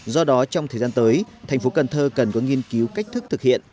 do đó trong thời gian tới thành phố cần thơ cần có nghiên cứu cách thức thực hiện